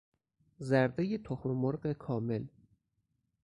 زردهی تخممرغ کامل